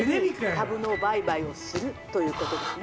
「株の売買をするということですね」。